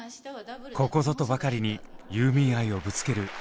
ここぞとばかりにユーミン愛をぶつけるＪＵＪＵ。